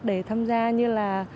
để tham gia như là